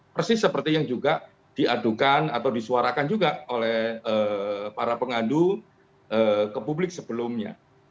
persis seperti yang juga diadukan atau disuarakan juga oleh para pengandu ke publik sebelumnya